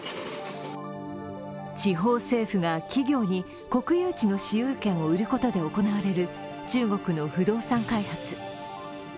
地方政府が企業に国有地の私有権を売ることで行われる中国の不動産開発。